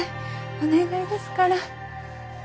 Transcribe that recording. お願いですから。